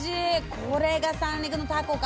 これが三陸のタコか。